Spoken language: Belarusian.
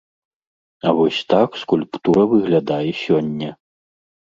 А вось так скульптура выглядае сёння.